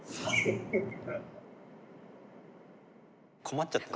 困っちゃってる。